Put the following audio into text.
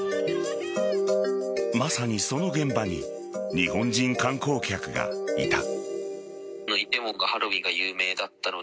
まさに、その現場に日本人観光客がいた。